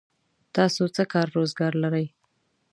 تاسو څه کار روزګار لرئ؟